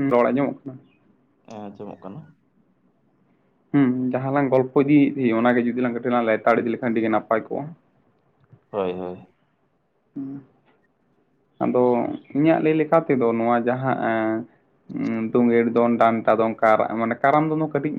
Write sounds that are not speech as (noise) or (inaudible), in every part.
ᱩᱸ ᱨᱚᱲ ᱟᱸᱡᱚᱢᱚᱜ ᱠᱟᱱᱟ ᱮᱸ ᱟᱸᱡᱚᱢᱚᱜ ᱠᱟᱱᱟ ᱦᱩᱸ ᱡᱟᱦᱟᱸ ᱞᱟᱝ ᱜᱚᱞᱯᱚ ᱤᱫᱤᱭᱮᱫ ᱛᱮᱦᱮᱫ ᱚᱱᱟᱜ ᱜᱮ ᱡᱚᱫᱤ ᱞᱟᱝ ᱠᱟᱹᱴᱤᱡ ᱞᱟᱝ ᱞᱮᱛᱟᱲ ᱤᱫᱤ ᱞᱮᱠᱷᱟᱱ ᱟᱹᱰᱤ ᱜᱮ ᱱᱟᱯᱟᱭ ᱠᱚᱜᱼᱟ᱾ ᱦᱳᱭ ᱦᱳᱭ ᱟᱫᱚ ᱤᱧᱟᱹᱜ ᱞᱟᱹᱭ ᱞᱮᱠᱟ ᱛᱮᱫᱚ ᱱᱚᱣᱟ ᱡᱟᱦᱟᱸ ᱮ ᱩᱸ ᱛᱳᱜᱮᱲ ᱫᱚᱱ ᱰᱟᱱᱴᱟ ᱫᱚᱱ ᱢᱟᱱᱮ ᱠᱟᱨᱟᱢ ᱫᱚᱱ ᱫᱚ ᱠᱟᱹᱴᱤᱡ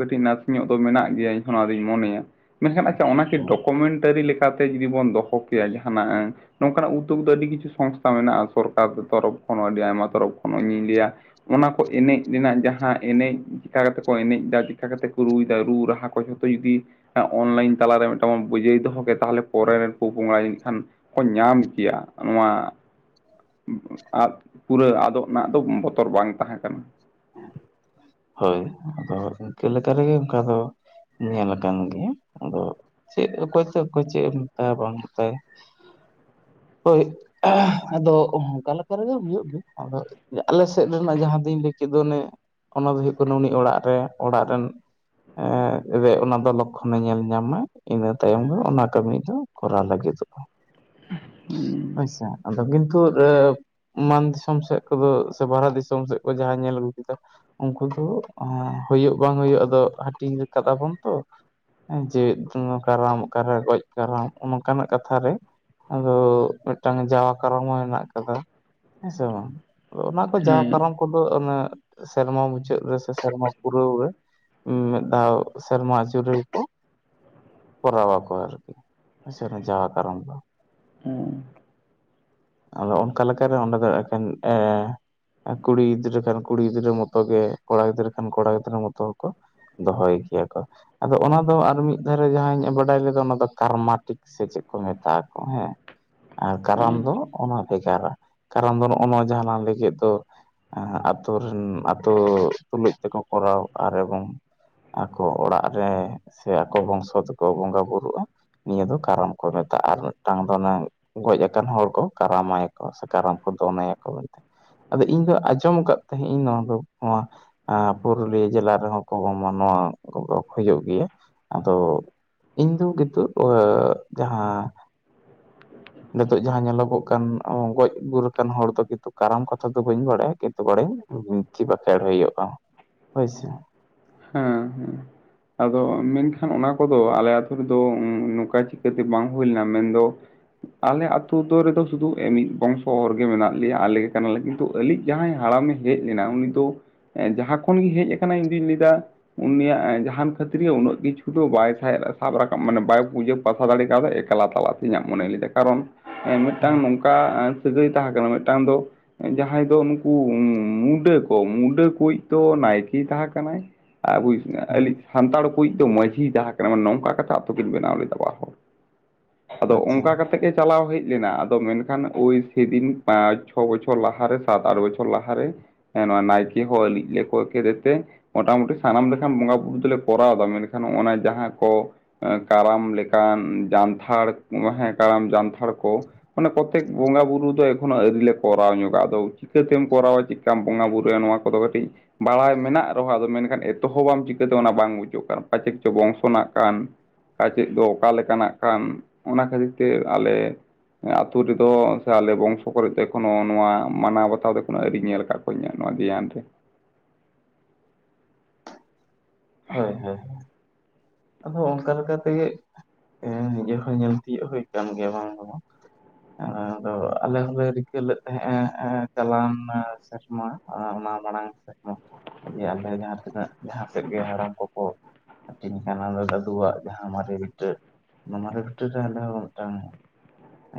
ᱠᱟᱹᱴᱤᱡ ᱱᱟᱥᱮᱧᱚᱜ ᱫᱚ ᱢᱮᱱᱟᱜ ᱜᱮᱭᱟ ᱤᱧᱦᱚᱸ ᱱᱚᱣᱟ ᱫᱩᱧ ᱢᱚᱱᱮᱭᱟ᱾ ᱢᱮᱱᱠᱷᱟᱱ ᱟᱪᱪᱷᱟ ᱚᱱᱟ ᱠᱤ ᱰᱚᱠᱢᱮᱱᱴᱟᱨᱤ ᱞᱮᱠᱟᱛᱮ ᱡᱩᱫᱤ ᱵᱚᱱ ᱫᱚᱦᱚ ᱠᱮᱭᱟ ᱡᱟᱦᱟᱱᱟᱜ ᱱᱚᱝᱠᱟᱱᱟᱜ ᱩᱫᱫᱳᱜᱽ ᱫᱚ ᱟᱹᱰᱤ ᱠᱤᱪᱷᱩ ᱥᱚᱝᱥᱛᱷᱟ ᱢᱮᱱᱟᱜᱼᱟ ᱥᱚᱨᱠᱟᱨ ᱛᱚᱨᱚᱯᱷ ᱠᱷᱚᱱ ᱦᱚᱸ ᱟᱹᱰᱤ ᱟᱭᱢᱟ ᱛᱚᱨᱚᱯᱷ ᱠᱷᱚᱱ ᱤᱧ ᱞᱟᱹᱭᱟ ᱚᱱᱟ ᱠᱚ ᱮᱱᱮᱡ ᱨᱮᱱᱟᱜ ᱡᱟᱦᱟᱸ ᱮᱱᱮᱡ ᱪᱤᱠᱟᱹ ᱠᱟᱛᱮ ᱠᱚ ᱮᱱᱮᱡ ᱮᱫᱟ ᱪᱤᱠᱟᱹ ᱠᱟᱛᱮ ᱠᱚ ᱨᱩᱭ ᱫᱟ ᱨᱩ ᱨᱟᱦᱟ ᱠᱚ ᱡᱷᱚᱛᱚ ᱡᱩᱫᱤ ᱚᱱᱞᱟᱭᱤᱱ ᱛᱟᱞᱟᱨᱮ ᱢᱤᱫᱴᱟᱝ ᱵᱩᱡᱟᱹᱭ ᱫᱚᱦᱚ ᱠᱮ ᱛᱟᱦᱚᱞᱮ ᱯᱚᱨᱮ ᱨᱮᱱ ᱯᱟ-ᱯᱚᱝᱲᱟ ᱠᱷᱟᱱ ᱠᱚ ᱧᱟᱢ ᱠᱮᱭᱟ ᱱᱚᱣᱟ ᱟ ᱯᱩᱨᱟᱹ ᱟᱫᱚᱜ ᱨᱮᱱᱟᱜ ᱫᱚ ᱵᱚᱛᱚᱨ ᱵᱟᱝ ᱛᱟᱦᱮᱸ ᱠᱟᱱᱟ᱾ ᱦᱳᱭ ᱟᱫᱚ ᱤᱱᱠᱟᱹ ᱞᱮᱠᱟ ᱨᱮᱜᱮ ᱚᱱᱠᱟ ᱫᱚ ᱧᱮᱞ ᱟᱠᱟᱱ ᱜᱮᱭᱟ ᱟᱫᱚ ᱪᱮᱫ ᱚᱠᱚᱭ ᱪᱚ ᱚᱠᱚᱭ ᱪᱮᱫ ᱮᱢ ᱢᱮᱛᱟᱭᱟ ᱵᱟᱝ ᱢᱮᱛᱟᱭ, ᱦᱳᱭ ᱟᱫᱚ ᱚᱱᱠᱟ ᱞᱮᱠᱟ ᱨᱮᱜᱮ ᱦᱩᱭᱩᱜ ᱜᱮ ᱟᱫᱚ ᱟᱞᱮ ᱥᱮᱫ ᱨᱮᱱᱟᱜ ᱡᱟᱦᱟᱸ ᱫᱤᱧ ᱞᱟᱹᱭ ᱠᱮᱫ ᱫᱚ ᱚᱱᱮ ᱚᱱᱟ ᱫᱚ ᱦᱩᱭᱩᱜ ᱠᱟᱱᱟ ᱩᱱᱤ ᱚᱲᱟᱜ ᱨᱮ ᱚᱲᱟᱜ ᱨᱮᱱ ᱮᱜ ᱨᱮ ᱚᱱᱟ ᱫᱚ ᱞᱚᱠᱷᱚᱱᱮ ᱧᱮᱞ ᱧᱟᱢᱟ ᱤᱱᱟᱹ ᱛᱟᱭᱚᱢ ᱜᱮ ᱚᱱᱟ ᱠᱟᱹᱢᱤ ᱫᱚ ᱠᱚᱨᱟᱣ ᱞᱟᱹᱜᱤᱫᱚᱜᱼᱟ᱾ ᱦᱩᱸ ᱟᱪᱪᱷᱟ ᱾ᱟᱫᱚ (unintelligible) ᱢᱟᱱ ᱫᱤᱥᱚᱢ ᱥᱮᱫ ᱠᱚᱫᱚ ᱥᱮ ᱵᱟᱨᱦᱟ ᱫᱤᱥᱚᱢ ᱥᱮᱫ ᱠᱚ ᱡᱟᱦᱟᱸ ᱧᱮᱞ ᱟᱹᱜᱩ ᱠᱮᱫᱟ᱾ ᱩᱱᱠᱩ ᱫᱚ ᱦᱩᱭᱩᱜ ᱵᱟᱝ ᱦᱩᱭᱩᱜ ᱟᱫᱚ ᱦᱟᱹᱴᱤᱧ ᱠᱟᱫᱟᱵᱚᱱ ᱛᱚ᱾ ᱡᱮᱣᱮᱫ ᱠᱟᱨᱟᱢ, ᱚᱠᱟᱨᱮ ᱜᱚᱡ ᱠᱟᱨᱟᱢ, ᱚᱝᱠᱟᱱᱟᱜ ᱠᱟᱛᱷᱟ ᱨᱮ ᱟᱫᱚ ᱢᱤᱫᱴᱟᱝ ᱡᱟᱣᱟ ᱠᱟᱨᱟᱢ ᱦᱚᱸ ᱦᱮᱱᱟᱜ ᱟᱠᱟᱫᱟ᱾ ᱦᱮᱸᱥᱮ ᱵᱟᱝ? ᱚᱱᱟ ᱠᱚ ᱡᱟᱣᱟ ᱦᱮᱸ ᱠᱟᱨᱟᱢ ᱠᱚᱫᱚ ᱚᱱᱮ ᱥᱮᱨᱢᱟ ᱢᱩᱪᱟᱹᱫ ᱨᱮ ᱥᱮ ᱥᱮᱨᱢᱟ ᱯᱩᱨᱟᱹᱣ ᱨᱮ ᱢᱤᱫ ᱫᱷᱟᱣ ᱥᱮᱨᱢᱟ ᱡᱩᱨᱤ ᱠᱚ ᱠᱚᱨᱟᱣ ᱟᱠᱚ ᱟᱨᱠᱤ ᱡᱟᱣᱟ ᱠᱟᱨᱟᱢ ᱫᱚ᱾ ᱚᱸ ᱟᱫᱚ ᱚᱱᱠᱟ ᱞᱮᱠᱟᱨᱮ ᱚᱸᱰᱮ ᱫᱚ ᱮᱠᱮᱱ ᱮᱻ ᱠᱩᱲᱤ ᱜᱤᱫᱽᱨᱟᱹ ᱠᱷᱟᱱ, ᱠᱩᱲᱤ ᱜᱤᱫᱽᱨᱟᱹ ᱢᱚᱛᱚ ᱜᱮ ᱠᱚᱲᱟ ᱜᱤᱫᱽᱨᱟᱹ ᱠᱷᱟᱱ, ᱠᱚᱲᱟ ᱜᱤᱫᱽᱨᱟᱹ ᱢᱚᱛᱚ ᱠᱚ ᱫᱚᱦᱚᱭ ᱜᱮᱭᱟ ᱠᱚ ᱾ᱟᱫᱚ ᱚᱱᱟ ᱫᱚ ᱟᱨ ᱢᱤᱫ ᱫᱷᱟᱨᱮ ᱡᱟᱦᱟᱸᱧ ᱵᱟᱰᱟᱭ ᱞᱮᱫᱟ ᱚᱱᱟ ᱫᱚ ᱠᱟᱨᱢᱟᱴᱤ ᱥᱮ ᱪᱮᱫ ᱠᱚ ᱢᱮᱛᱟᱜ ᱟᱠᱚ ᱦᱮᱸ ᱟᱨ ᱠᱟᱨᱟᱢ ᱫᱚ ᱚᱱᱟ ᱵᱷᱮᱜᱟᱨᱟ ᱠᱟᱨᱚᱱ ᱫᱚ ᱱᱚᱜᱼᱚ ᱱᱚᱣᱟ ᱡᱟᱦᱟᱞᱟᱝ ᱞᱟᱹᱭ ᱠᱮᱫ ᱫᱚ ᱟᱛᱳ ᱨᱮᱱ ᱟᱛᱳ ᱛᱩᱞᱩᱡ ᱛᱮᱠᱚ ᱠᱚᱨᱟᱣ ᱟᱨ ᱮᱵᱚᱝ ᱟᱠᱚ ᱚᱲᱟᱜ ᱨᱮ ᱥᱮ ᱟᱠᱚ ᱵᱚᱝᱥᱚ ᱛᱮᱠᱚ ᱵᱚᱸᱜᱟ ᱵᱩᱨᱩᱜᱼᱟ᱾ ᱱᱤᱭᱟᱹ ᱫᱚ ᱠᱟᱨᱟᱢ ᱠᱚ ᱢᱮᱛᱟᱜᱼᱟ, ᱟᱨ ᱢᱤᱫᱴᱟᱝ ᱫᱚ ᱚᱱᱮ ᱜᱚᱡ ᱟᱠᱟᱱ ᱦᱚᱲ ᱠᱚ᱾ ᱠᱟᱨᱟᱢ ᱟᱭᱟ ᱠᱚ ᱥᱮ ᱠᱟᱨᱟᱢ ᱠᱚ ᱫᱚᱱ ᱟᱭᱟ ᱠᱚ ᱟᱫᱚ ᱤᱧ ᱫᱚ ᱟᱸᱡᱚᱢ ᱟᱠᱟᱫ ᱛᱟᱦᱮᱸᱫ ᱤᱧ ᱱᱚᱣᱟ ᱫᱚ ᱱᱚᱣᱟ᱾ ᱟᱸ ᱯᱩᱨᱩᱞᱤᱭᱟᱹ ᱡᱮᱞᱟ ᱨᱮᱦᱚᱸ ᱠᱚ ᱢᱟᱱᱟᱣᱟ ᱠᱚᱫᱚ ᱦᱩᱭᱩᱜ ᱜᱮᱭᱟ᱾ᱟᱫᱚ ᱤᱧ ᱫᱚ ᱠᱤᱛᱚᱜ ᱡᱟᱦᱟᱸ ᱱᱤᱛᱚᱜ ᱡᱟᱦᱟᱸ ᱧᱮᱞᱚᱜᱚᱜ ᱚᱱᱠᱟᱱ ᱜᱚᱡ ᱜᱩᱨ ᱟᱠᱟᱱ ᱦᱚᱲ ᱫᱚ ᱠᱤᱱᱛᱩ ᱠᱟᱨᱟᱢ ᱠᱟᱛᱷᱟ ᱫᱚ ᱵᱟᱹᱧ ᱵᱟᱲᱟᱭᱟ ᱠᱤᱱᱛᱩ ᱵᱟᱲᱟᱭᱧ ᱵᱤᱱᱛᱤ ᱵᱟᱸᱠᱷᱮᱲ ᱦᱩᱭᱩᱜᱼᱟ᱾ ᱦᱳᱭ ᱥᱮ ᱦᱩᱸ ᱦᱩᱸ ᱟᱫᱚ ᱢᱮᱱᱠᱷᱟᱱ ᱚᱱᱟ ᱠᱚᱫᱚ ᱟᱞᱮ ᱟᱹᱛᱩ ᱨᱮᱫᱚ ᱱᱚᱝᱠᱟ ᱪᱤᱠᱟᱹᱛᱮ ᱵᱟᱝ ᱦᱩᱭ ᱞᱮᱱᱟ᱾ ᱢᱮᱱᱫᱚ ᱟᱞᱮ ᱟᱹᱛᱩ ᱫᱚ ᱨᱮᱫᱚ ᱥᱩᱫᱷᱩ ᱮ ᱢᱤᱫ ᱵᱚᱝᱥᱚ ᱦᱚᱲ ᱜᱮ ᱢᱮᱱᱟᱜ ᱞᱮᱭᱟ, ᱟᱞᱮᱜᱮ ᱠᱟᱱᱟ ᱞᱮ ᱛᱚ, ᱟᱞᱮᱭᱤᱡ ᱡᱟᱦᱟᱸᱭ ᱦᱟᱲᱟᱢᱮ ᱦᱮᱡ ᱞᱮᱱᱟ ᱩᱱᱤ ᱫᱚ ᱡᱟᱦᱟᱸ ᱠᱷᱚᱱ ᱜᱮ ᱦᱮᱡ ᱟᱠᱟᱱᱟᱭ ᱤᱧ ᱫᱩᱧ ᱞᱟᱹᱭᱫᱟ ᱩᱱᱤᱭᱟᱜ ᱡᱟᱦᱟᱱ ᱠᱷᱟᱹᱛᱤᱨ ᱜᱮ ᱩᱱᱟᱹᱜ ᱠᱤᱪᱷᱩ ᱫᱚ ᱵᱟᱭ ᱥᱟᱦᱮᱵ ᱥᱟᱵ ᱨᱟᱠᱟᱵ ᱢᱟᱱᱮ ᱵᱟᱭ ᱯᱩᱡᱟᱹ ᱵᱟᱥᱟ ᱫᱟᱲᱮ ᱠᱟᱣᱫᱟ ᱮᱠᱞᱟ ᱛᱟᱞᱟ ᱛᱮ ᱤᱧᱟᱹᱜ ᱢᱚᱱᱮ ᱞᱮᱫᱟ ᱠᱟᱨᱚᱱ ᱢᱤᱫᱴᱟᱝ ᱦᱩᱸ ᱱᱚᱝᱠᱟ ᱚᱠᱟ ᱥᱟᱹᱜᱟᱹᱭ ᱛᱟᱦᱮᱸ ᱠᱟᱱᱟ? ᱢᱤᱫᱴᱟᱝ ᱫᱚ ᱡᱟᱦᱟᱸᱭ ᱫᱚ ᱱᱩᱠᱩ ᱢᱩᱰᱟᱹ ᱠᱚ ᱢᱩᱰᱟᱹ ᱠᱚᱭᱤᱡ ᱫᱚ ᱱᱟᱭᱠᱮ ᱛᱟᱦᱟᱸ ᱠᱟᱱᱟᱭ᱾ ᱟᱵᱩᱭᱤᱡ ᱟᱹᱞᱤᱡ ᱦᱩᱸ ᱥᱟᱱᱛᱟᱲ ᱠᱚᱭᱤᱡ ᱫᱚ ᱢᱟᱹᱡᱷᱤ ᱛᱟᱦᱮᱸ ᱠᱟᱱᱟ᱾ ᱢᱟᱱᱮ ᱱᱚᱝᱠᱟ ᱠᱟᱛᱮ ᱟᱛᱳ ᱠᱤᱱ ᱵᱮᱱᱟᱣ ᱞᱮᱫᱟ ᱵᱟᱨ ᱦᱚᱲ᱾ ᱟᱫᱚ ᱟᱪᱪᱷᱟ ᱚᱝᱠᱟ ᱠᱟᱛᱮ ᱜᱮ ᱪᱟᱞᱟᱣ ᱦᱮᱡ ᱞᱮᱱᱟ, ᱟᱫᱚ ᱢᱮᱱᱠᱷᱟᱱ ᱳᱭ ᱥᱮᱫᱤᱱ ᱯᱟᱸᱪ ᱪᱷᱚ ᱵᱚᱪᱷᱚᱨ ᱞᱟᱦᱟᱨᱮ ᱥᱟᱛ ᱟᱴ ᱵᱚᱪᱷᱚᱨ ᱞᱟᱦᱟᱨᱮ ᱦᱮᱸ ᱱᱚᱣᱟ ᱱᱟᱭᱠᱮ ᱠᱚ ᱞᱤᱡ ᱞᱮ ᱠᱚᱭ ᱠᱮᱫᱮ ᱛᱮ ᱢᱚᱴᱟᱢᱩᱴᱤ ᱥᱟᱱᱟᱢ ᱞᱮᱠᱷᱟᱱ ᱵᱚᱸᱜᱟ ᱵᱩᱨᱩ ᱫᱚᱞᱮ ᱠᱚᱨᱟᱣ ᱫᱟ᱾ ᱢᱮᱱᱠᱷᱟᱱ ᱱᱚᱜᱱᱟ ᱡᱟᱦᱟᱸ ᱠᱚ ᱠᱟᱨᱟᱢ ᱞᱮᱠᱟᱱ ᱡᱟᱱᱛᱷᱟᱲ ᱦᱮᱸ ᱠᱟᱨᱟᱢ ᱡᱟᱱᱛᱷᱟᱲ ᱠᱚ ᱚᱱᱮ ᱯᱨᱚᱛᱮᱠ ᱵᱚᱸᱜᱟ ᱵᱩᱨᱩ ᱫᱚ ᱮᱠᱷᱚᱱᱳ ᱟᱹᱣᱨᱤ ᱞᱮ ᱠᱚᱨᱟᱣ ᱧᱚᱜᱟᱜᱼᱟ᱾ ᱟᱫᱚ ᱪᱤᱠᱟᱹᱛᱮᱢ ᱠᱚᱨᱟᱣᱟ ᱪᱮᱫ ᱠᱟᱢ ᱵᱚᱸᱜᱟ ᱵᱩᱩᱨᱩᱭᱟ? ᱱᱚᱣᱟ ᱠᱚᱫᱚ ᱠᱟᱹᱴᱤᱡ ᱵᱟᱲᱟᱭ ᱢᱮᱱᱟᱜ ᱨᱮᱦᱚᱸ ᱟᱫᱚ ᱢᱮᱱᱠᱷᱟᱱ ᱛᱚᱦᱚ ᱵᱟᱢ ᱪᱤᱠᱟᱹᱛᱮ ᱚᱱᱟ ᱵᱟᱝ ᱵᱩᱡᱩᱜ ᱠᱟᱱ ᱯᱟᱪᱮᱫ ᱪᱚ ᱵᱚᱝᱥᱚ ᱨᱮᱱᱟᱜ ᱠᱟᱱ ᱯᱟᱪᱮᱫ ᱫᱚ ᱚᱠᱟ ᱞᱮᱠᱟᱱᱟᱜ ᱠᱟᱱ ᱚᱱᱟ ᱠᱷᱟᱹᱛᱤᱨ ᱛᱮ ᱟᱞᱮ ᱟᱛᱳ ᱨᱮᱫᱚ ᱥᱮ ᱟᱞᱮ ᱵᱚᱝᱥᱚ ᱠᱚᱨᱮ ᱫᱚ ᱮᱠᱷᱚᱱᱳ ᱱᱚᱣᱟ ᱢᱟᱱᱟᱣ ᱵᱟᱛᱟᱣ ᱫᱚ ᱮᱠᱷᱚᱱᱳ ᱟᱣᱨᱤᱧ ᱧᱮᱞ ᱟᱠᱟᱫ ᱠᱚᱣᱟ ᱚᱠᱚᱧᱟᱜ ᱱᱚᱣᱟ ᱫᱷᱮᱭᱟᱱ ᱛᱮ ᱦᱳᱭ ᱦᱳᱭ, ᱟᱫᱚ ᱚᱱᱠᱟ ᱞᱮᱠᱟ ᱛᱮᱜᱮ ᱦᱮᱸ ᱱᱤᱡᱮ ᱦᱚᱸ ᱧᱮᱞ ᱛᱤᱭᱳᱜ ᱦᱩᱭ ᱟᱠᱟᱱ ᱜᱮᱭᱟ ᱵᱟᱝ ᱫᱚ ᱵᱟᱝ᱾ ᱟᱫᱚ ᱟᱞᱮ ᱦᱚᱸᱞᱮ ᱨᱤᱠᱟᱹ ᱞᱮᱫ ᱛᱟᱦᱮᱸᱜ-ᱟ ᱮᱸ ᱪᱟᱞᱟᱣᱟᱱ ᱥᱮᱨᱢᱟ ᱟᱨ ᱚᱱᱟ ᱢᱟᱲᱟᱝ ᱥᱮᱫ ᱦᱚᱸ ᱡᱮ ᱟᱞᱮ ᱡᱟᱦᱟᱸ ᱛᱤᱱᱟᱹᱜ ᱡᱟᱦᱟᱸ ᱥᱮᱫ ᱜᱮ ᱦᱟᱲᱟᱢ ᱠᱚᱠᱚ ᱦᱟᱹᱴᱤᱧ ᱠᱟᱱᱟ ᱫᱚ ᱫᱟᱫᱩᱣᱟᱜ ᱡᱟᱦᱟᱸ ᱢᱟᱨᱮ ᱵᱷᱤᱴᱟ ᱱᱚᱣᱟᱨᱮ ᱵᱷᱤᱴᱟᱹ ᱨᱮ ᱟᱞᱮ ᱦᱚᱸ ᱢᱤᱫᱴᱟᱝ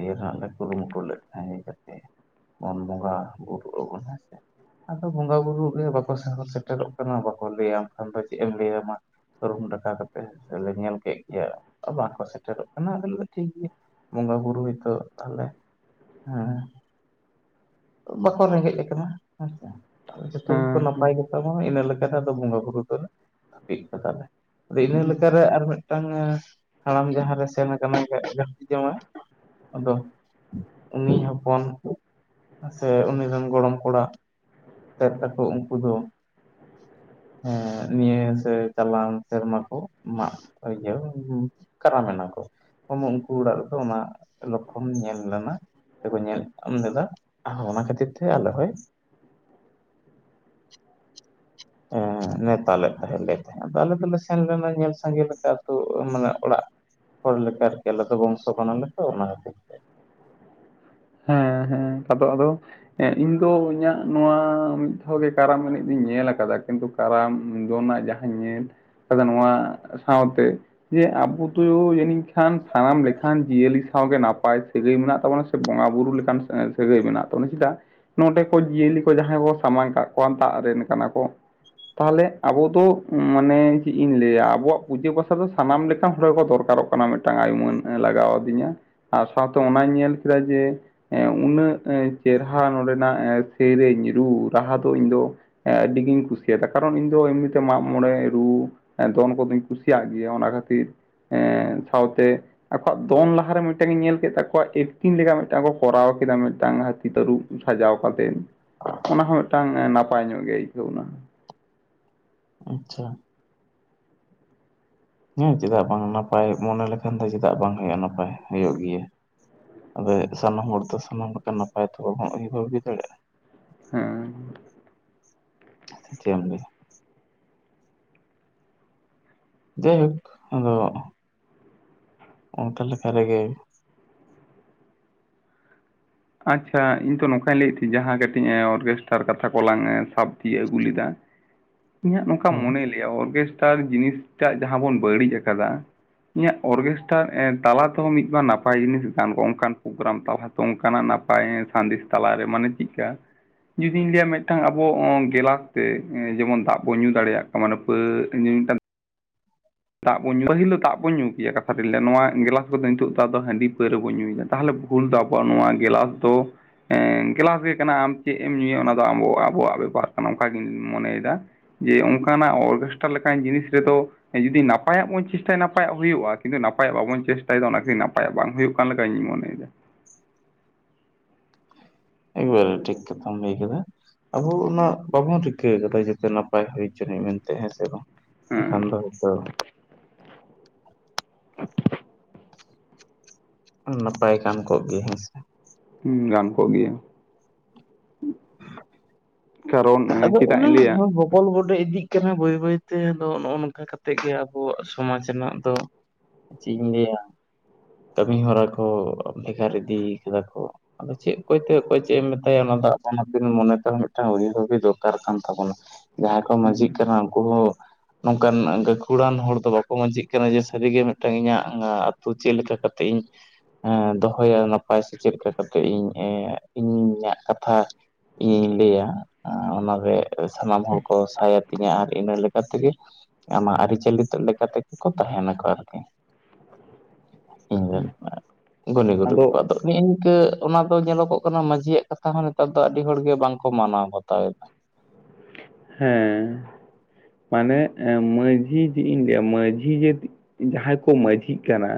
ᱤᱭᱟᱹ ᱨᱮᱱᱟᱜ ᱞᱮ ᱠᱩᱨᱩᱢᱩᱴᱩ ᱞᱮᱫ ᱛᱟᱦᱮᱸ ᱦᱮᱡ ᱠᱟᱛᱮ᱾ ᱵᱟᱵᱚᱱ ᱵᱚᱸᱜᱟ ᱵᱩᱨᱩᱜ ᱟᱵᱚᱱ ᱦᱮᱸᱥᱮ᱾ ᱟᱫᱚ ᱵᱚᱸᱜᱟ ᱵᱩᱨᱩ ᱜᱮ ᱵᱟ ᱠᱚ ᱥᱚᱦᱚᱨ ᱥᱮᱴᱮᱨᱚᱜ ᱠᱟᱱᱟ ᱵᱟ ᱠᱚ ᱞᱟᱹᱭ ᱟᱢ ᱠᱷᱟᱱ ᱫᱚ ᱪᱮᱫ ᱮᱢ ᱞᱟᱹᱭ-ᱟ ᱢᱟ᱾ ᱨᱩᱢ ᱰᱟᱠᱟᱣ ᱠᱟᱛᱮ ᱞᱮ ᱧᱮᱞ ᱠᱮᱫ ᱜᱮᱭ-ᱟ, ᱵᱟᱝ ᱠᱚ ᱥᱮᱴᱮᱨᱚᱜ ᱠᱟᱱᱟ ᱟᱫᱚ ᱞᱮ ᱞᱮᱭᱫᱟ ᱴᱷᱤᱠ ᱜᱮᱭᱟ᱾ ᱵᱚᱸᱜᱟ ᱵᱩᱨᱩ ᱦᱚᱭ ᱛᱚ ᱛᱟᱞᱮ ᱦᱮᱸ ᱵᱟ ᱠᱚ ᱨᱮᱸᱜᱮᱡ ᱟᱠᱟᱱᱟ ᱦᱮᱸ ᱥᱮ ᱛᱟᱞᱮ ᱡᱚᱛᱚ ᱜᱮ ᱠᱚ ᱦᱮᱸ ᱦᱮᱸ ᱱᱟᱯᱟᱭ ᱜᱮ (unintelligible) ᱞᱮᱠᱟᱛᱮ ᱟᱫᱚ ᱵᱚᱸᱜᱟ ᱵᱩᱨᱩ ᱫᱚ ᱞᱮ ᱦᱟᱹᱯᱤᱫ ᱠᱟᱫᱟ ᱞᱮ ᱟᱫᱚ ᱤᱱᱟᱹ ᱦᱩᱸ ᱞᱮᱠᱟ ᱨᱮ ᱟᱨ ᱢᱤᱫ ᱢᱤᱫ ᱴᱟᱝ ᱦᱟᱲᱟᱢ ᱡᱟᱦᱟᱸ ᱨᱮ ᱥᱮᱱ ᱟᱠᱟᱱᱟᱭ (unintelligible) ᱜᱷᱟᱹᱫᱷᱤ ᱡᱟᱶᱟᱹᱭ᱾ ᱟᱫᱚ ᱩᱱᱤ ᱦᱚᱯᱚᱱ ᱥᱮ ᱩᱱᱤ ᱨᱮᱱ ᱜᱚᱲᱚᱢ ᱠᱚᱲᱟ ᱛᱮᱫ ᱛᱟᱠᱚ ᱩᱱᱠᱩ ᱫᱚ ᱦᱮᱸ ᱱᱤᱭᱟᱹ ᱥᱮ ᱪᱟᱞᱟᱣ ᱥᱮᱨᱢᱟ ᱠᱚ ᱢᱟᱜ ᱤᱭᱟᱹ ᱠᱟᱨᱟᱢ ᱮᱱᱟ ᱠᱚ᱾ ᱩᱱᱠᱩ ᱚᱲᱟᱜ ᱨᱮ ᱫᱚ ᱚᱱᱟ ᱞᱚᱠᱷᱚᱱ ᱧᱮᱞ ᱞᱮᱱᱟ, ᱥᱮ ᱠᱚ ᱧᱮᱞ ᱮᱢ ᱞᱮᱫᱟ᱾ ᱚᱱᱟ ᱠᱷᱟᱹᱛᱤᱨ ᱛᱮ ᱟᱞᱮ ᱦᱳᱭ (inaudible) ᱮᱸᱻ ᱱᱮᱣᱛᱟ ᱞᱮᱫ ᱛᱟᱦᱮᱸᱫ ᱞᱮ ᱛᱟᱸᱦᱮ ᱟᱞᱮ ᱫᱚᱞᱮ ᱥᱮᱱ ᱞᱮᱱᱟ ᱧᱮᱞ ᱥᱟᱸᱜᱮ ᱞᱮᱠᱟ ᱟᱹᱛᱳ ᱢᱟᱱᱮ ᱚᱲᱟᱜ ᱦᱚᱲ ᱞᱮᱠᱟ ᱟᱨ ᱠᱤ ᱟᱞᱮ ᱫᱚ ᱵᱚᱝᱥᱚ ᱠᱟᱱᱟ ᱞᱮ ᱛᱚ ᱚᱱᱟ ᱠᱷᱟᱹᱛᱤᱨ᱾ ᱦᱮᱸ ᱦᱮᱸ ᱟᱫᱚ ᱟᱫᱚ ᱦᱮᱸ ᱤᱧ ᱫᱚ ᱤᱧᱟᱹᱜ ᱱᱚᱣᱟ ᱢᱤᱫ ᱫᱷᱟᱣ ᱜᱮ ᱠᱟᱨᱟᱢ ᱮᱱᱮᱡ ᱫᱚᱸᱧ ᱧᱮᱞ ᱠᱟᱫᱟ, ᱠᱤᱱ ᱛᱩ ᱠᱟᱨᱟᱢ ᱫᱚᱱᱟᱜ ᱡᱟᱦᱟᱸ ᱧᱮᱞ ᱱᱚᱣᱟ ᱥᱟᱶ ᱛᱮ ᱡᱮ ᱟᱵᱚ (unintelligible) ᱥᱤᱧ ᱠᱷᱟᱱ ᱥᱟᱱᱟᱢ ᱞᱮᱠᱟᱱ ᱡᱤᱭᱟᱹᱞᱤ ᱥᱟᱶ ᱜᱮ ᱱᱟᱯᱟᱭ ᱥᱟᱹᱜᱟᱹᱭ ᱢᱮᱱᱟᱜ ᱛᱟᱵᱚᱱ-ᱟ, ᱥᱮ ᱵᱚᱸᱜᱟ ᱵᱩᱨᱩ ᱞᱮᱠᱟᱱ ᱥᱟᱹᱜᱟᱹᱭ ᱢᱮᱱᱟᱜ ᱛᱟᱵᱚᱱᱟ ᱪᱮᱫᱟᱜ ᱱᱚᱰᱮ ᱠᱚ ᱡᱤᱭᱟᱹᱞᱤ ᱠᱚ ᱡᱟᱦᱟᱸᱭ ᱠᱚ ᱥᱟᱢᱟᱝ ᱠᱟᱜ ᱠᱚᱣᱟ ᱫᱟᱜ ᱨᱮᱱ ᱠᱟᱱᱟ ᱠᱚ᱾ ᱛᱟᱦᱞᱮ ᱟᱵᱚ ᱫᱚ ᱢᱟᱱᱮ ᱪᱮᱫ ᱤᱧ ᱞᱟᱹᱭᱼᱟ, ᱟᱵᱚᱣᱟᱜ ᱯᱩᱡᱟᱹ ᱯᱟᱥᱟ ᱫᱚ ᱥᱟᱱᱟᱢ ᱞᱮᱠᱟᱱ ᱦᱚᱲ ᱜᱮ ᱠᱚ ᱫᱚᱨᱠᱟᱨᱚᱜ ᱚᱱᱟ ᱢᱤᱫ ᱴᱟᱝ ᱟᱹᱭ ᱩᱢᱟᱹᱱ ᱞᱟᱜᱟᱣ ᱟᱹᱫᱤᱧᱟ, ᱟᱨ ᱥᱟᱶ ᱛᱮ ᱚᱱᱟᱹᱧ ᱧᱮᱞ ᱠᱮᱫᱟ ᱡᱮ ᱩᱱᱟᱹᱜ ᱪᱮᱨᱦᱟ ᱱᱚᱸᱰᱮ ᱱᱟᱜ ᱥᱮᱨᱮᱧ ᱨᱩ ᱨᱟᱦᱟ ᱫᱚ ᱤᱧ ᱫᱚ ᱟᱹᱰᱤ ᱜᱤᱧ ᱠᱩᱥᱤᱭ-ᱟ ᱫᱟ, ᱠᱟᱨᱚᱱ ᱤᱧ ᱫᱚ ᱮᱢᱱᱤ ᱛᱮ ᱢᱟᱜ ᱢᱚᱬᱮ ᱨᱩ ᱫᱚᱱ ᱠᱚ ᱫᱚᱸᱧ ᱠᱩᱥᱤᱭ-ᱟᱜ ᱜᱮᱭᱟ ᱚᱱᱟ ᱠᱷᱟᱹᱛᱤᱨ ᱮᱸᱻ ᱥᱟᱶ ᱛᱮ ᱟᱠᱚᱣᱟᱜ ᱫᱚᱱ ᱞᱟᱦᱟ ᱨᱮ ᱢᱤᱫ ᱴᱟᱝ ᱤᱧ ᱧᱮᱞ ᱠᱮᱫ ᱛᱟᱠᱚᱣᱟ ᱤᱧ ᱞᱮᱠᱟ ᱢᱤᱫ ᱴᱟᱝ ᱠᱚ ᱠᱚᱨᱟᱣ ᱠᱮᱫᱟ ᱢᱤᱫ ᱴᱟᱝ ᱦᱟᱹᱛᱤ ᱛᱟᱹᱨᱩᱵ ᱥᱟᱡᱟᱣ ᱠᱟᱛᱮ ᱚᱱᱟ ᱦᱚᱸ ᱢᱤᱫ ᱴᱟᱝ ᱱᱟᱯᱟᱭ ᱧᱚᱸᱜ ᱜᱮ ᱟᱹᱭᱠᱟᱹᱣ ᱱᱟ᱾ ᱟᱪᱪᱷᱟ᱾ ᱦᱮᱸ ᱪᱮᱫ-ᱟᱜ ᱵᱟᱝ ᱱᱟᱯᱟᱭ ᱢᱚᱱᱮ ᱞᱮᱠᱷᱟᱱ ᱫᱚ ᱪᱮᱫ-ᱟᱜ ᱵᱟᱝ ᱦᱳᱭᱳᱜᱼᱟ ᱱᱟᱯᱟᱭ ᱦᱳᱭᱳᱜ ᱜᱮᱭᱟ᱾ ᱟᱫᱚ ᱥᱟᱱᱟᱢ ᱦᱚᱲ ᱫᱚ ᱥᱟᱱᱟᱢ ᱞᱮᱠᱟ ᱱᱟᱯᱟᱭ ᱛᱮ ᱵᱟᱝ ᱵᱚᱱ ᱩᱭᱦᱟᱹᱨ ᱵᱷᱟᱵᱤ ᱫᱟᱲᱮᱭᱼᱟᱜ ᱦᱮᱸ᱾ ᱪᱮᱫ ᱮᱢ ᱞᱮᱫᱟ? ᱡᱟᱭᱦᱳᱠ ᱟᱫᱚ ᱚ ᱛᱟᱦᱞᱮ ᱥᱟᱹᱨᱤ ᱜᱮ ᱟᱪᱪᱷᱟ ᱤᱧ ᱛᱚ ᱱᱚᱝ ᱠᱟᱹᱧ ᱞᱟᱹᱭ ᱮᱫ ᱛᱟᱹᱦᱤᱧᱡ ᱡᱟᱸᱦᱟ ᱠᱟᱹᱴᱤᱡ ᱚᱨᱜᱮᱥᱴᱟᱨ ᱠᱟᱛᱷᱟ ᱠᱚ ᱞᱟᱝ ᱥᱟᱵ ᱛᱤᱭᱳᱜ ᱟᱹᱜᱩ ᱞᱮᱫᱟ, ᱤᱧᱟᱹᱜ ᱱᱚᱝᱠᱟ ᱦᱮᱸ ᱢᱚᱱᱮ ᱞᱟᱹᱭ-ᱟ ᱚᱨᱜᱮᱥᱴᱟᱨ ᱡᱤᱱᱤᱥ ᱴᱟᱜ ᱡᱟᱸᱦᱟ ᱵᱚᱱ ᱵᱟᱹᱲᱤᱡ ᱟᱠᱟᱫᱟ᱾ ᱤᱧᱟᱹᱜ ᱚᱨᱜᱮᱥᱴᱟᱨ ᱛᱟᱞᱟ ᱛᱮᱦᱚᱸ ᱢᱤᱫ ᱵᱟᱨ ᱱᱟᱯᱟᱭ ᱡᱤᱱᱤᱥ ᱜᱟᱱ ᱠᱚᱼᱟ, ᱚᱱᱠᱟᱱ ᱯᱨᱳᱜᱨᱟᱢ ᱛᱟᱞᱟ ᱛᱮ ᱚᱱᱠᱟᱱᱟᱜ ᱱᱟᱯᱟᱭ ᱥᱟᱸᱫᱮᱥ ᱛᱟᱞᱟᱨᱮ ᱢᱟᱱᱮ ᱪᱮᱫ ᱞᱮᱠᱟ ᱾ ᱡᱩᱫᱤᱧ ᱞᱟᱹᱭᱟ ᱢᱤᱫᱴᱟᱝ ᱟᱵᱚ ᱜᱮᱞᱟ ᱛᱮ ᱡᱮᱢᱚᱱ ᱫᱟᱜ ᱵᱚᱱ ᱧᱩ ᱫᱟᱲᱮᱭᱟᱜ ᱠᱟᱱᱟᱣᱟ ᱢᱟᱱᱮ ᱯᱟᱹ ᱢᱤᱫᱴᱟᱝᱱ᱾ ᱫᱟᱜ ᱵᱚᱱ ᱧᱩ ᱯᱟᱦᱤᱞ ᱫᱟᱜ ᱵᱚᱱ ᱧᱩ ᱠᱮᱭᱟ ᱠᱟᱛᱷᱟ ᱨᱮᱧ ᱞᱟᱹᱭ-ᱟ ᱱᱚᱣᱟ ᱜᱮᱞᱟᱥ ᱠᱚ ᱫᱚ ᱱᱤᱛᱚᱜ ᱫᱚ ᱦᱟᱺᱰᱤ ᱯᱟᱹᱣᱨᱟᱹ ᱵᱚᱱ ᱧᱩᱭ ᱫᱟ᱾ ᱛᱟᱦᱞᱮ ᱵᱷᱩᱞ ᱫᱚ ᱟᱵᱚᱣᱟᱜ ᱱᱚᱣᱟ ᱜᱮᱞᱟᱥ ᱫᱚ ᱜᱮᱞᱟᱥ ᱜᱮ ᱠᱟᱱᱟ ᱟᱢ ᱪᱮᱫ ᱮᱢ ᱧᱩᱭᱼᱟ ᱚᱱᱟ ᱫᱚ ᱟᱵᱚᱣᱟᱜ ᱵᱮᱯᱟᱨ ᱠᱟᱱᱟ ᱚᱱᱠᱟ-ᱜᱤᱧ ᱢᱚᱱᱮᱭ-ᱮᱫᱟ ᱡᱮ ᱚᱝᱠᱟᱱᱟᱜ ᱚᱨᱜᱮᱥᱴᱨᱟ ᱞᱮᱠᱟᱱ ᱡᱤᱱᱤᱥ ᱨᱮ ᱫᱚ ᱡᱩᱫᱤ ᱱᱟᱯᱟᱭ-ᱟᱜ ᱵᱚᱱ ᱪᱮᱥᱴᱟᱭ-ᱟ ᱱᱟᱯᱟᱭᱼᱟᱜ ᱦᱳᱭᱳᱜᱼᱟ, ᱠᱤᱱᱛᱩ ᱱᱟᱯᱟᱭᱼᱟᱜ ᱵᱟᱵᱚᱱ ᱪᱮᱥᱴᱟᱭ ᱫᱟ ᱚᱱᱟ ᱜᱮ ᱱᱟᱯᱟᱭᱼᱟᱜ ᱵᱟᱝ ᱦᱳᱭᱳᱜ ᱠᱟᱱ ᱞᱮᱠᱟᱹᱧ ᱢᱚᱱᱮ ᱫᱟ᱾ ᱮᱠ ᱵᱟᱨᱮ ᱴᱷᱤᱠ ᱠᱟᱛᱷᱟᱢ ᱞᱟᱹᱭ ᱠᱟᱫᱟ᱾ ᱟᱵᱚ ᱚᱱᱟ ᱵᱟᱵᱚᱱ ᱨᱤᱠᱟᱹ ᱠᱟᱫᱟ ᱡᱟᱛᱮ ᱱᱟᱯᱟᱭ ᱦᱩᱭ ᱦᱚᱪᱚ ᱟᱱᱤᱡ ᱢᱮᱱ ᱛᱮ ᱦᱮᱸ ᱥᱮ ᱵᱟᱝ᱾ ᱦᱮᱸ (unintelligible) (inaudible) ᱱᱟᱯᱟᱭ ᱠᱟᱱ ᱠᱚᱜᱮ ᱦᱮᱸᱥᱮ ᱦᱮᱸ ᱜᱟᱱ ᱠᱚᱜ ᱜᱮᱭᱟ ᱾ ᱠᱟᱨᱚᱱ ᱪᱮᱫᱟᱜ ᱤᱧ ᱞᱟᱹᱭᱟ ᱾ ᱚᱞ ᱜᱚᱰᱮ ᱤᱫᱤᱜ ᱠᱟᱱᱟ ᱵᱟᱹᱭ ᱵᱟᱹᱭᱛᱮ ᱟᱫᱚ ᱱᱚᱜᱼᱚ ᱱᱚᱝᱠᱟ ᱠᱟ ᱠᱟᱛᱮᱫ ᱜᱮ ᱟᱵᱚᱣᱟᱜ ᱥᱚᱢᱟᱡᱽ ᱨᱮᱱᱟᱜ ᱫᱚ ᱪᱮᱫ ᱤᱧ ᱞᱟᱹᱭᱟ ᱠᱟᱹᱢᱤᱦᱚᱨᱟ ᱠᱚ ᱵᱷᱮᱜᱟᱨ ᱤᱫᱤ ᱠᱟᱫᱟ ᱠᱚ ᱾ ᱟᱫᱚ ᱪᱮᱫ ᱚᱭᱛᱮ ᱚᱠᱚᱭ ᱪᱮᱫ ᱮᱢ ᱢᱮᱛᱟᱭᱟ ᱚᱱᱟ ᱫᱟ ᱦᱟᱜ ᱟᱯᱟᱱ ᱟᱯᱤᱱ᱾ ᱢᱚᱱᱮᱛᱮ ᱢᱤᱫᱴᱟᱱ ᱩᱭᱦᱟᱨᱵᱷᱤ ᱫᱚᱨᱠᱟᱨ ᱠᱟᱱ ᱛᱟᱵᱚᱱᱟ ᱡᱟᱦᱟᱸᱭ ᱠᱚ ᱢᱟᱹᱡᱷᱤᱜ ᱠᱟᱱᱟ ᱩᱱᱠᱩ ᱦᱚᱸ ᱱᱚᱝᱠᱟᱱ ᱜᱟᱹᱠᱷᱩᱲᱟᱱ ᱦᱚᱲ ᱫᱚ ᱵᱟᱠᱚ ᱢᱟᱡᱷᱤᱜ ᱠᱟᱱᱟ ᱡᱮ ᱥᱟᱹᱨᱤᱜᱮ ᱢᱤᱫᱴᱟᱱ ᱤᱧᱟᱹᱜ ᱟᱹᱛᱩ ᱪᱮᱫ ᱞᱮᱠᱟ ᱠᱟᱛᱮᱜ ᱤᱧ ᱾ ᱮ ᱫᱚᱦᱚᱭᱟ ᱱᱟᱯᱟᱭ ᱥᱮ ᱪᱮᱫ ᱞᱮᱠᱟ ᱠᱟᱛᱮᱜ ᱤᱧ ᱤᱧᱟᱹᱜ ᱠᱟᱛᱷᱟ ᱾ ᱤᱧᱤᱧ ᱞᱟᱹᱭᱟ ᱚᱱᱟᱨᱮ ᱥᱟᱱᱟᱢ ᱦᱚᱲ ᱠᱚ ᱥᱟᱭᱟᱛᱤᱧᱟ ᱟᱨ ᱤᱱᱟ ᱾ ᱛᱮᱜᱮ ᱟᱢᱟᱜ ᱟᱹᱨᱤᱪᱟᱹᱞᱤ ᱞᱮᱠᱟ ᱞᱮᱠᱟᱛᱮᱜᱮ ᱠᱚ ᱛᱟᱦᱮᱱᱟᱠᱚ ᱟᱨᱠᱤ? ᱦ (inaudible) ᱦᱮᱸ ᱜᱩᱱᱤ ᱜᱚᱫ ᱠᱚ ᱟᱫᱚ ᱾ ᱱᱤᱱᱝᱠᱟᱹ ᱚᱱᱟ ᱫᱚ ᱧᱮᱞᱚᱜᱚᱜ ᱠᱟᱱᱟ ᱢᱟᱺᱡᱷᱤᱭᱟᱜ ᱠᱟᱛᱷᱟ ᱦᱚᱸ ᱱᱮᱛᱟᱨ ᱫᱚ ᱟᱹᱰᱤ ᱦᱚᱲᱜ ᱵᱟᱝᱠᱚ ᱢᱟᱱᱟᱣ ᱵᱟᱛᱟᱣᱮᱫᱟ ᱾ ᱦᱮᱸ ᱢᱟᱱᱮ ᱢᱟᱺᱡᱷᱤ ᱤᱧ ᱞᱟᱹᱭᱟ ᱢᱟᱺᱡᱷᱤ ᱡᱮ ᱾ ᱡᱟᱦᱟᱸᱭ ᱠᱚ ᱢᱟᱺᱡᱷᱤᱜ ᱠᱟᱱᱟ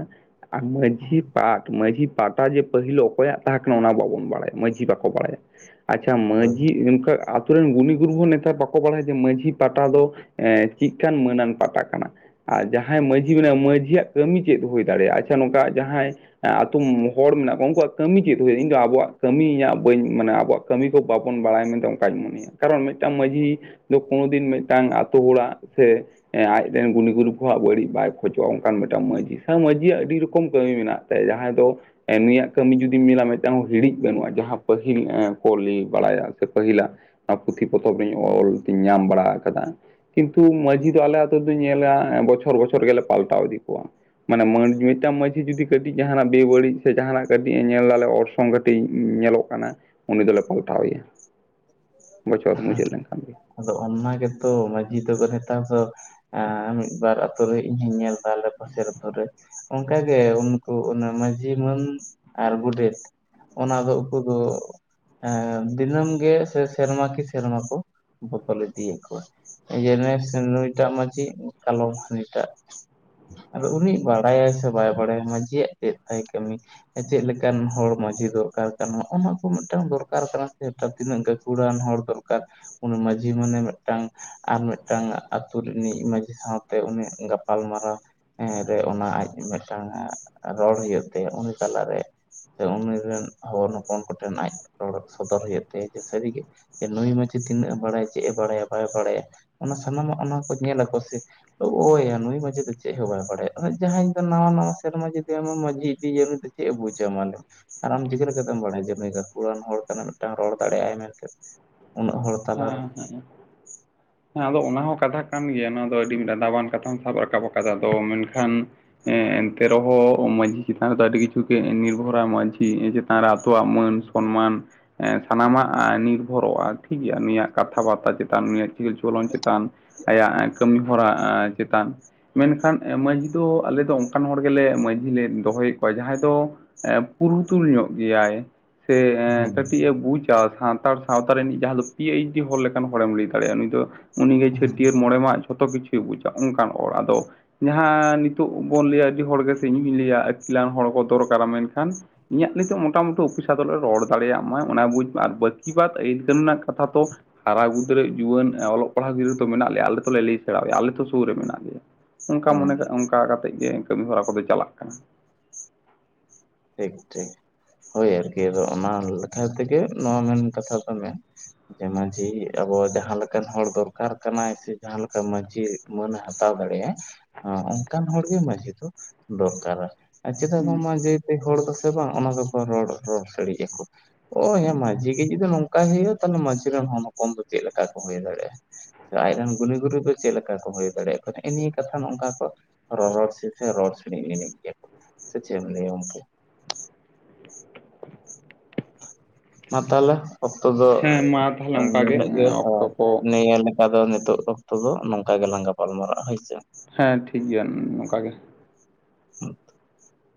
ᱟᱨ ᱢᱟᱺᱡᱷᱤ ᱯᱟᱠ ᱢᱟᱺᱡᱷᱤ ᱯᱟᱴᱟ ᱡᱮ ᱯᱟᱹᱦᱤᱞᱳ ᱚᱠᱚᱭᱟᱜ ᱛᱟᱦᱮᱸ ᱠᱟᱱᱟ ᱚᱱᱟ ᱵᱟᱵᱚᱱ ᱵᱟᱲᱟᱭᱟ ᱢᱟᱺᱡᱷᱤ ᱵᱟᱠᱚ ᱵᱟᱲᱟᱭᱟ ᱟᱪᱷᱟ ᱦᱳᱭ ᱢᱟᱺᱡᱷᱤ ᱠᱟ ᱟᱛᱩ ᱨᱮᱱ ᱜᱩᱱᱤ ᱜᱩᱨᱩᱵᱷ ᱦᱚᱸ ᱱᱮᱛᱟ ᱠᱚᱣᱟ ᱵᱟᱠᱚ ᱵᱟᱲᱟᱭᱟ ᱡᱮ ᱢᱟᱺᱡᱷᱤ ᱯᱟᱴᱟ ᱫᱚ ᱪᱮᱫᱠᱟᱱ ᱢᱟᱹᱱᱟᱱ ᱯᱟᱴᱟ ᱠᱟᱱᱟ ᱾ ᱟᱨ ᱡᱟᱦᱟᱸᱭ ᱢᱟᱺᱡᱷᱤ ᱢᱮᱱᱟᱭ ᱢᱟᱺᱡᱷᱤᱭᱟᱜ ᱠᱟᱹᱢᱤ ᱪᱮᱫ ᱦᱩᱭ ᱫᱟᱲᱮᱭᱟᱜᱼᱟ ᱟᱪᱷᱟ ᱱᱚᱝᱠᱟ ᱡᱟᱦᱟᱸᱭ ᱾ ᱾ ᱟᱛᱳ ᱦᱚᱲ ᱢᱮᱱᱟᱜ ᱠᱚᱣᱟ ᱩᱱᱠᱩᱣᱟᱜ ᱠᱟᱹᱢᱤ ᱪᱮᱫ ᱦᱩᱭᱩᱜ-ᱟ ᱤᱧ ᱫᱚ ᱟᱵᱚᱣᱟᱜ ᱠᱟᱹᱢᱤᱭᱟᱜ ᱵᱟᱹᱧ ᱢᱟᱱᱮ ᱟᱵᱚᱣᱟᱜ ᱠᱟᱹᱢᱤ ᱠᱚ ᱵᱟᱵᱚᱱ ᱵᱟᱲᱟᱭᱟ ᱢᱮᱱᱛᱮ ᱚᱱᱠᱟᱧ ᱢᱚᱱᱮᱭᱟ ᱠᱟᱨᱚᱱ ᱢᱤᱫᱴᱟᱝ ᱢᱟᱺᱡᱷᱤ ᱠᱳᱱᱳ ᱫᱤᱱ ᱢᱤᱫᱴᱟᱝ ᱟᱛᱳ ᱦᱚᱲᱟᱜ ᱥᱮ ᱟᱡᱨᱮᱱ ᱜᱩᱱᱤᱜᱩᱨᱩ ᱠᱚᱜ ᱵᱟᱹᱲᱤᱡ ᱵᱟᱭ ᱠᱷᱚᱡᱚᱜᱼᱟ ᱚᱱᱠᱟᱱ ᱢᱤᱫᱴᱟᱝ ᱢᱟᱺᱡᱷᱤ ᱥᱮ ᱢᱟᱺᱡᱷᱤᱭᱟᱜ ᱟᱹᱰᱤ ᱨᱚᱠᱚᱢ ᱠᱟᱹᱢᱤ ᱢᱮᱱᱟᱜ ᱡᱟᱦᱟᱸᱭ ᱫᱚ ᱾ ᱱᱩᱭᱟᱜ ᱠᱟᱹᱢᱤ ᱡᱩᱫᱤᱢ ᱢᱮᱞᱟ ᱢᱤᱫᱴᱟᱝ ᱦᱚᱸ ᱦᱤᱲᱤᱡ ᱵᱟᱹᱱᱩᱜᱼᱟ ᱡᱟᱦᱟᱸ ᱯᱟᱹᱦᱤᱞ ᱠᱚ ᱞᱟᱹᱭ ᱵᱟᱲᱟᱭᱟ ᱥᱮ ᱯᱟᱹᱦᱤᱞᱟᱜ ᱾ ᱚᱱᱟ ᱯᱩᱛᱷᱤ ᱯᱚᱛᱚᱵ ᱤᱧ ᱚᱞ ᱛᱧ ᱧᱟᱢ ᱵᱟᱲᱟ ᱟᱠᱟᱫᱟ ᱾ ᱠᱤᱱᱛᱩ ᱢᱟᱺᱡᱷᱤ ᱫᱚ ᱟᱞᱮ ᱟᱛᱳ ᱫᱚ ᱧᱮᱞᱟ ᱵᱚᱪᱷᱚᱨ ᱵᱚᱪᱷᱚᱨ ᱜᱮᱞᱮ ᱯᱟᱞᱴᱟᱣ ᱤᱫᱤ ᱠᱚᱣᱟ ᱢᱟᱱᱮ ᱢᱤᱫᱴᱟᱝ ᱢᱟᱺᱡᱷᱤ ᱡᱩᱫᱤ ᱠᱟᱹᱴᱤᱡ ᱡᱟᱦᱟᱱᱟᱜ ᱵᱮᱵᱟᱹᱲᱤᱡ ᱥᱮ ᱡᱟᱦᱟᱱᱟᱜ ᱠᱟᱹᱴᱤᱡ ᱧᱮᱞ ᱫᱟᱨᱮ ᱚᱨᱥᱚᱝ ᱾ ᱥᱚᱝᱜᱴᱤ ᱧᱮᱞᱚᱜ ᱠᱟᱱᱟ ᱩᱱᱤ ᱫᱚᱞᱮ ᱯᱟᱞᱴᱟᱣ ᱮᱭᱟ ᱾ ᱵᱚᱪᱷᱚᱨᱮᱢ ᱢᱩᱪᱟᱹᱫ ᱞᱮᱱᱠᱷᱟᱱ ᱜᱮ ' ᱟᱫᱚ ᱚᱱᱟ ᱜᱮᱛᱚ ᱢᱟᱺᱡᱷᱤ ᱛᱮᱫᱚ ᱱᱮᱛᱟᱨ ᱫᱚ ᱢᱤᱫ ᱵᱟᱨ ᱟᱛᱳ ᱨᱮ ᱤᱧ ᱦᱚᱧ ᱧᱮᱞ ᱾ ᱛᱟᱦᱞᱮ ᱯᱟᱥᱮᱨ ᱫᱚ ᱨᱮ ᱾ ᱚᱱᱠᱟᱜ ᱜᱮ ᱩᱱᱠᱩ ᱚᱱᱟ ᱢᱟᱺᱡᱷᱤ ᱢᱟᱹᱱ ᱟᱨ ᱜᱚᱰᱮᱛ ᱾ ᱚᱱᱟ ᱫᱚ ᱩᱱᱠᱩ ᱫᱚ ᱫᱤᱱᱟᱹᱢ ᱜᱮ ᱥᱮ ᱥᱮᱨᱢᱟ ᱠᱤ ᱥᱮᱨᱢᱟ ᱠᱚ ᱵᱚᱠᱚᱞ ᱤᱫᱤᱭᱮᱫ ᱠᱚᱣᱟ ᱾ ᱡᱮᱱ ᱱᱩᱭᱴᱟᱜ ᱢᱟᱺᱡᱷᱤ ᱠᱟᱞᱚᱢ ᱦᱟᱱᱤᱴᱟᱜ ᱾ ᱟᱫᱚ ᱩᱱᱤ ᱵᱟᱲᱟᱭᱟᱭ ᱥᱮ ᱵᱟᱭ ᱵᱟᱲᱟᱭᱟ ᱢᱟᱺᱡᱷᱤᱭᱟᱜ ᱪᱮᱫ ᱛᱟᱭ ᱠᱟᱹᱢᱤ ᱾ ᱪᱮᱫ ᱞᱮᱠᱟᱱ ᱦᱚᱲ ᱢᱟᱺᱡᱷᱤ ᱫᱚᱨᱠᱟᱨ ᱠᱟᱱᱟ ᱱᱚᱜ ᱱᱚᱣᱟ ᱠᱚ ᱢᱤᱫᱴᱟᱝ ᱫᱚᱨᱠᱟᱨ ᱠᱟᱱᱟ ᱥᱮ ᱛᱤᱱᱟᱹᱜ ᱟᱲᱟᱱ ᱦᱚᱲ ᱫᱚᱨᱠᱟᱨ ᱩᱱᱤ ᱢᱟᱺᱡᱷᱤ ᱢᱟᱱᱮ ᱢᱤᱫᱴᱟᱝ ᱟᱨ ᱢᱤᱫᱴᱟᱝ ᱟᱹᱛᱩ ᱨᱤᱱᱤᱡ ᱢᱟᱹᱡᱷᱤ ᱥᱟᱶᱛᱮ ᱩᱱᱜ ᱜᱟᱯᱟᱞ ᱢᱟᱨᱟᱨᱣ ᱮᱸ ᱨᱮ ᱚᱱᱟ ᱟᱡ ᱢᱤᱫᱴᱟᱝ ᱨᱚᱲ ᱦᱩᱭᱩᱜ ᱛᱟᱭᱟ ᱩᱱᱤ ᱛᱟᱞᱟᱨᱮ ᱾ ᱩᱱᱤ ᱨᱮᱱ ᱦᱚᱲ ᱦᱚᱯᱚᱱ ᱠᱚᱴᱷᱮᱱ ᱟᱡ ᱨᱚᱲ ᱥᱚᱫᱚᱨ ᱦᱩᱭᱩᱜ ᱛᱟᱭᱟ ᱡᱮ ᱥᱟᱹᱨᱤᱜᱮ ᱾ ᱱᱩᱭ ᱢᱟᱺᱡᱷᱤ ᱛᱤᱱᱟᱹᱜ ᱮᱢ ᱵᱟᱲᱟᱭᱟ ᱪᱮᱫ ᱮ ᱵᱟᱲᱟᱭᱟ ᱵᱟᱭ ᱵᱟᱲᱟᱭᱟ ᱚᱱᱟ ᱥᱟᱱᱟᱢᱟᱜ ᱚᱱᱟ ᱠᱚ ᱧᱮᱞᱟ ᱠᱚ ᱥᱮ ᱳᱭᱭᱟ ᱱᱩᱭ ᱢᱟᱺᱡᱷᱤ ᱫᱚ ᱪᱮᱫ ᱦᱚᱸ ᱵᱟᱭ ᱵᱟᱲᱟᱭᱟ ᱡᱟᱦᱟᱸᱭ ᱫᱚ ᱱᱟᱣᱟ ᱱᱟᱣᱟ ᱥᱮᱨᱢᱟ ᱡᱩᱫᱤ ᱢᱟᱺᱡᱷᱤ ᱤᱫᱤᱭᱟ ᱱᱩᱭ ᱾ ᱪᱮᱫ ᱮ ᱵᱩᱡᱟᱢᱟᱞᱮ ᱟᱨ ᱟᱢ ᱪᱤᱠᱟᱹ ᱞᱮᱠᱟᱛᱮᱢ ᱵᱟᱲᱟᱭᱟᱟ ᱡᱮ ᱜᱟᱹᱠᱷᱩᱲᱟᱱ ᱦᱚᱲ ᱠᱟᱱᱟ ᱢᱤᱫᱴᱟᱝ ᱨᱚᱲ ᱫᱟᱲᱮᱭᱟᱜ ᱟᱭ ᱢᱮᱱᱛᱮᱛ ᱾ ᱦᱮᱸ ᱦᱮᱸ ᱾ ᱦᱮᱸ ᱟᱫᱚ ᱚᱱᱟ ᱦᱚᱸ ᱠᱟᱛᱷᱟ ᱠᱟᱱ ᱜᱮᱭᱟ ᱱᱚᱣᱟ ᱫᱚ ᱟᱹᱰᱤ ᱫᱟᱫᱟᱣᱟᱱ ᱠᱟᱛᱷᱟᱢ ᱥᱟᱵ ᱨᱟᱠᱟᱵ ᱟᱠᱟᱫᱟ ᱟᱫᱚ ᱢᱮᱱᱠᱷᱟᱱ ᱾ ᱮᱱᱛᱮ ᱨᱮᱦᱚᱸ ᱢᱟᱺᱡᱷᱤ ᱪᱮᱛᱟᱱ ᱨᱮᱫᱚ ᱟᱹᱰᱤ ᱠᱤᱪᱷᱩ ᱜᱮ ᱱᱤᱨᱵᱷᱚᱨᱟᱭ ᱢᱟᱺᱡᱷᱤ ᱪᱮᱛᱟᱱ ᱨᱮ ᱟᱛᱳᱣᱟᱜ ᱢᱟᱹᱱ ᱾ ᱥᱚᱱᱢᱟᱱ ᱥᱟᱱᱟᱢᱟᱜ ᱱᱤᱨᱵᱷᱚᱨᱚᱜᱼᱟ ᱾ ᱴᱷᱤᱠ ᱜᱮᱭᱟ ᱱᱤᱭᱟᱜ ᱠᱟᱛᱷᱟ ᱵᱟᱨᱛᱟ ᱪᱮᱛᱟᱱ ᱱᱩᱭᱟᱜ ᱪᱤᱨᱪᱚᱞᱚᱱ ᱪᱮᱛᱟᱱ ᱾ ᱟᱭᱟᱜ ᱠᱟᱹᱢᱤ ᱦᱚᱨᱟ ᱪᱮᱛᱟᱱ ᱢᱮᱱᱠᱷᱟᱱ ᱢᱟᱺᱡᱷᱤ ᱫᱚ ᱟᱞᱮ ᱫᱚ ᱚᱱᱠᱟᱱ ᱦᱚᱲ ᱜᱮᱞᱮ ᱢᱟᱺᱡᱷᱤ ᱞᱮ ᱫᱚᱦᱚᱭᱮᱫ ᱠᱚᱣᱟ ᱡᱟᱦᱟᱸᱭ ᱫᱚ ᱯᱩᱨᱩᱛᱩᱞ ᱧᱚᱜ ᱜᱮᱭᱟᱭ ᱥᱮ ᱦᱩᱸ ᱠᱟᱹᱴᱤᱡ ᱮ ᱵᱩᱡᱟ ᱥᱟᱱᱛᱟᱲ ᱥᱟᱶᱛᱟ ᱨᱤᱱ ᱡᱟᱦᱟᱸ ᱫᱚ ᱯᱤ ᱮᱭᱤᱪ ᱰᱤ ᱦᱚᱲ ᱞᱮᱠᱟᱱ ᱦᱚᱲᱮᱢ ᱞᱟᱹᱭ ᱫᱟᱲᱮᱭᱟᱜᱼᱟ ᱱᱩᱭ ᱫᱚ ᱩᱱᱤᱜᱭ ᱦᱩᱸ ᱪᱷᱟᱹᱴᱭᱟᱹᱨ ᱢᱚᱬᱮ ᱢᱟᱦᱟ ᱡᱷᱚᱛᱚ ᱠᱤᱪᱷᱩ ᱵᱩᱡᱟᱹᱜ ᱚᱱᱠᱟᱱ ᱦᱚᱲ ᱟᱫᱚ ᱡᱟᱦᱟᱸ ᱱᱤᱛᱚᱜ ᱵᱚᱱ ᱞᱟᱹᱭᱟ ᱟᱹᱰᱤ ᱦᱚᱲ ᱜᱮᱥᱮ ᱤᱧᱤᱧ ᱞᱟᱹᱭᱟ ᱟᱹᱠᱤᱞᱟᱱ ᱦᱚᱲ ᱠᱚ ᱫᱚᱨᱠᱟᱨᱟ ᱢᱮᱱᱠᱷᱟᱱ ᱤᱧᱟᱜ ᱞᱟᱹᱭᱛᱮ ᱢᱚᱴᱟᱢᱩᱴᱤ ᱚᱯᱷᱤᱥ ᱟᱫᱮ ᱨᱚᱲ ᱫᱟᱲᱮᱭᱟᱜ ᱢᱟᱭ ᱚᱱᱟ ᱵᱩᱡᱽ ᱢᱮ ᱟᱨ ᱵᱟᱹᱠᱤ ᱵᱟᱫ ᱟᱹᱭ ᱨᱮᱱᱟᱜ ᱠᱟᱛᱷᱟ ᱛ ᱦᱟᱨᱟ ᱜᱤᱫᱽᱨᱟᱹ ᱡᱩᱣᱟᱹᱱ ᱚᱞᱚᱜ ᱯᱟᱲᱦᱟᱜ ᱜᱤᱫᱽᱨᱟᱹ ᱛᱚ ᱢᱮᱱᱟᱜ ᱞᱮᱭᱟ ᱟᱞᱮ ᱞᱟᱹᱭ ᱥᱮᱬᱭᱟ ᱟᱞᱮ ᱛᱚ ᱥᱩᱨ ᱨᱮ ᱢᱮᱱᱟᱜ ᱜᱮᱭᱟ ᱚᱱᱠᱟ ᱦᱩᱸ ᱢᱚᱱᱮ ᱠᱟᱜᱟᱢ ᱚᱱᱠᱟ ᱠᱟᱛᱮᱫ ᱜᱮ ᱠᱟᱹᱢᱤ ᱦᱚᱨᱟ ᱠᱚᱫᱚ ᱪᱟᱞᱟᱜ ᱠᱟᱱᱟ ᱴᱷᱤᱠ ᱴᱷᱤᱠ ᱦᱳᱭ ᱟᱨᱠᱤ ᱟᱫᱚ ᱚᱱᱟ ᱞᱮᱠᱷᱟ ᱛᱮᱜᱮ ᱱᱚᱣᱟ ᱢᱮᱱ ᱠᱟᱛᱷᱟ ᱫᱚ ᱢᱮ ᱡᱮ ᱢᱟᱺᱡᱷᱤ ᱟᱵᱚ ᱡᱟᱦᱟᱸ ᱞᱮᱠᱟᱱ ᱦᱚᱲ ᱫᱚᱨᱠᱟᱨ ᱠᱟᱱᱟᱭ ᱥᱮ ᱡᱟᱦᱟᱸ ᱞᱮᱠᱟᱱ ᱢᱟᱺᱡᱷᱤ ᱢᱟᱹᱱᱮ ᱦᱟᱛᱟᱣ ᱫᱟᱲᱮᱭᱟᱜᱼᱟ ᱚᱱᱠᱟᱱ ᱦᱚᱲᱜᱮ ᱢᱟᱺᱡᱷᱤ ᱫᱚ ᱫᱚᱨᱠᱟᱨᱟ ᱟᱨ ᱪᱮᱫᱟᱜ ᱵᱟᱝ ᱢᱟ ᱡᱟᱹᱭᱛᱟᱹᱭ ᱦᱚᱲ ᱫᱚᱥᱮ ᱵᱟᱝ ᱚᱱᱟ ᱫᱚᱠᱚ ᱨᱚᱲ ᱨᱚᱲ ᱫᱟᱲᱮᱭᱟᱜᱼᱟᱠᱚ ᱳᱭ ᱢᱟᱡᱷᱤ ᱜᱮ ᱡᱩᱫᱤ ᱱᱚᱝᱠᱟᱭ ᱦᱩᱭᱩᱜᱳᱼᱟ ᱛᱟᱦᱚᱞᱮ ᱢᱟᱡᱷᱤᱨᱮᱱ ᱦᱚᱱ ᱦᱚᱯᱚᱱ ᱫᱚ ᱪᱮᱫ ᱞᱮᱠᱟ ᱠᱚ ᱦᱩᱭ ᱫᱟᱲᱮᱭᱟᱜᱼᱟ ᱟᱡ ᱨᱮᱱ ᱜᱩᱱᱤ ᱜᱩᱨᱩᱤ ᱫᱚ ᱪᱮᱫ ᱞᱮᱠᱟ ᱠᱚ ᱦᱩᱭ ᱫᱟᱲᱮᱭᱟᱜ ᱠᱚᱣᱟ ᱱᱤ ᱱᱤᱭᱟᱹ ᱠᱟᱛᱷᱟ ᱱᱚᱝᱠᱟ ᱠᱚ ᱨᱚᱨᱚᱲ ᱥᱤᱫᱦᱟ ᱨᱚᱲ ᱥᱤᱨᱤᱜ ᱱᱤᱱᱤᱡ ᱜᱤᱭᱟ ᱠᱚ ᱥᱮ ᱪᱮᱫ ᱮᱢ ᱞᱟᱹᱭ ᱩᱱᱠᱩ ᱢᱟ ᱛᱟᱦᱞᱮ ᱚᱠᱛᱚ ᱫᱚ ᱦᱮᱸ ᱢᱟ ᱛᱟᱦᱚᱞᱮ ᱚᱱᱠᱟᱜᱮ ᱱᱤᱱᱟᱹᱜ ᱜᱮ ᱚᱠᱛᱚ ᱠᱚ (unintelligible) ᱚᱱᱠᱟ ᱫᱚ ᱱᱤᱛᱚᱜ ᱚᱠᱛᱚ ᱫᱚ ᱱᱚᱝᱠᱟ ᱜᱮᱞᱟᱝ ᱜᱟᱯᱟᱞᱢᱟᱨᱟᱜᱼᱟ ᱦᱳᱭᱥᱮ ᱦᱮᱸ ᱴᱷᱤᱠ ᱜᱮᱭᱟ ᱱᱚᱝᱠᱟ ᱜᱮ ᱦᱩ